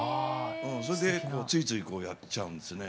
それでついついこうやっちゃうんですね。